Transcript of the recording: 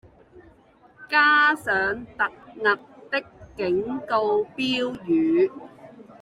加上突兀的警告標語